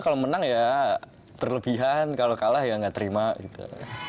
kalau menang ya terlebihan kalau kalah ya nggak terima gitu